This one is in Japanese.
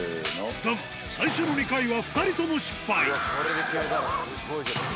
だが、最初の２回は２人とも失敗。